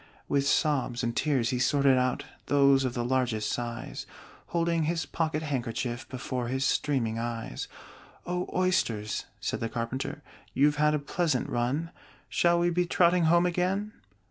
With sobs and tears he sorted out Those of the largest size, Holding his pocket handkerchief Before his streaming eyes. "O Oysters," said the Carpenter, "You've had a pleasant run! Shall we be trotting home again?"